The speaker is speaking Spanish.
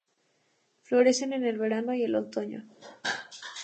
Florecen en el verano y el otoño.